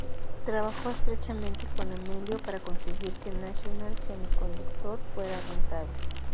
Trabajó estrechamente con Amelio para conseguir que National Semiconductor fuera rentable.